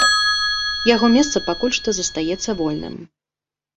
Яго месца пакуль што застаецца вольным.